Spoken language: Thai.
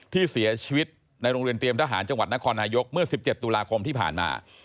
ที่เสียชีวิตในโรงเรียนเตรียมทหารจังหวัดนครนายกเมื่อ๑๗ตุลาคมที่ผ่านมา